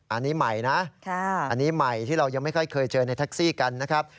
อันนี้ใหม่นะอันนี้ใหม่ที่เรายังไม่ค่อยเคยเจอในแท็กซี่กันนะครับ